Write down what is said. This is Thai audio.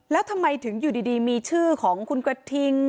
แล้วทำไมถึงอยู่ดีมีชื่อของคุณกระทิง